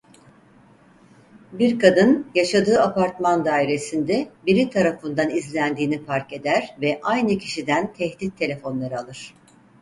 Bir kadın yaşadığı apartman dairesinde biri tarafından izlendiğini fark eder ve aynı kişiden tehdit telefonları alır.